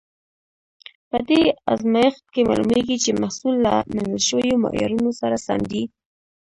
په دې ازمېښت کې معلومیږي چې محصول له منل شویو معیارونو سره سم دی.